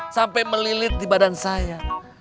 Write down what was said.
sampai melilit di badan saya